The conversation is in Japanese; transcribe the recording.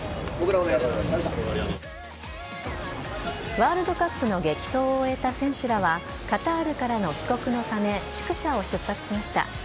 ワールドカップの激闘を終えた選手らはカタールからの帰国のため宿舎を出発しました。